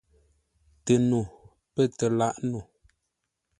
TƏNO pə̂ tə lâʼ no.